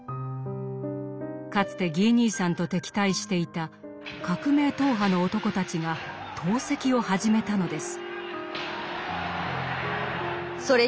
かつてギー兄さんと敵対していた革命党派の男たちが投石を始めたのです。